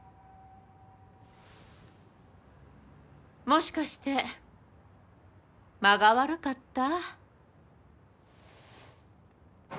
もしかして間が悪かった？